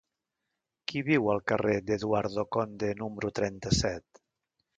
Qui viu al carrer d'Eduardo Conde número trenta-set?